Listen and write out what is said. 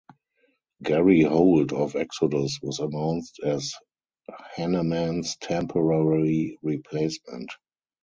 Gary Holt of Exodus was announced as Hanneman's temporary replacement.